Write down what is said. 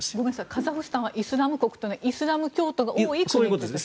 カザフスタンはイスラム国というのはイスラム教徒が多いということですか。